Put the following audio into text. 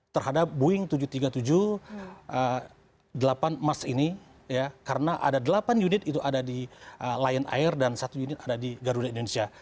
terhadap boeing tujuh ratus tiga puluh tujuh delapan emas ini karena ada delapan unit itu ada di lion air dan satu unit ada di garuda indonesia